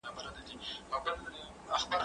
زه به سبا لوښي پرېولم